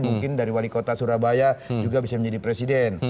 mungkin dari wali kota surabaya juga bisa menjadi presiden